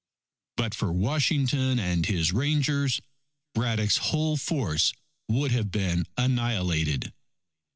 But for Washington and his Rangers, Braddock's whole force would have been annihilated.